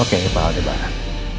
oke pak aldebaran